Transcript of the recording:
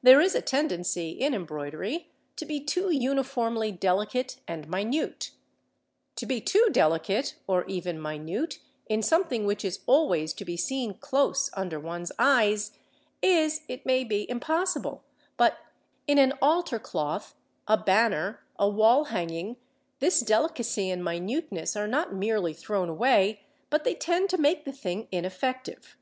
There is a tendency in embroidery to be too uniformly delicate and minute. To be too delicate, or even minute, in something which is always to be seen close under one's eyes is, it may be, impossible; but in an altar cloth, a banner, a wall hanging, this delicacy and minuteness are not merely thrown away, but they tend to make the thing ineffective.